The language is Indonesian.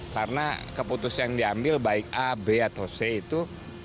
karena keputusan yang diambil baik a b atau c itu